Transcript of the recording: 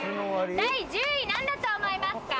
第１０位なんだと思いますか？